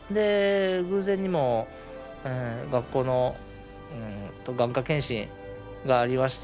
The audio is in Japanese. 偶然にも、学校で眼科検診がありまして。